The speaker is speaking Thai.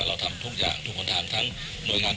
เราทำทุกอย่างทุกคนทางทั้งหน่วยงาน